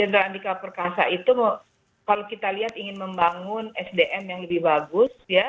jenderal andika perkasa itu kalau kita lihat ingin membangun sdm yang lebih bagus ya